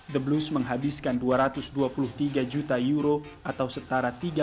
the blues menghabiskan dua ratus dua puluh tiga juta euro atau setara tiga puluh